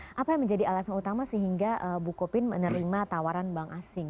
nah apa yang menjadi alasan utama sehingga bukopin menerima tawaran bank asing